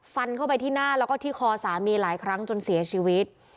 ฟันเข้าไปที่หน้าแล้วก็ที่คอสามีหลายครั้งจนเสียชีวิต